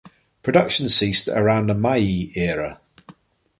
Production ceased around the Meiji era.